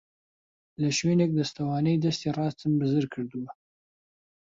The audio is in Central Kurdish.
لە شوێنێک دەستوانەی دەستی ڕاستم بزر کردووە.